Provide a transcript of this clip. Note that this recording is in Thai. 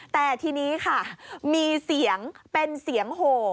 แต่ทีนี้ค่ะมีเสียงเป็นเสียงโห